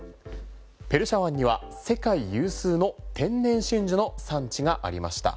ペルシャ湾には世界有数の天然真珠の産地がありました。